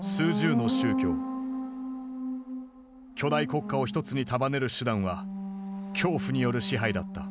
巨大国家をひとつに束ねる手段は恐怖による支配だった。